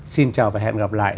xin chào và hẹn gặp lại